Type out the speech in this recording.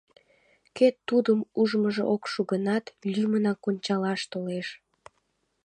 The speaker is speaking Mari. Кӧ Тудым ужмыжо ок шу гынат, лӱмынак ончалаш толеш.